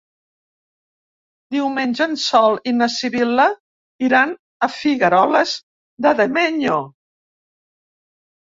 Diumenge en Sol i na Sibil·la iran a Figueroles de Domenyo.